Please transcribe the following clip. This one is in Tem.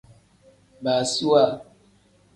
Baasiwa.